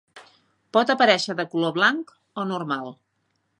Pot aparèixer de color blanc o normal.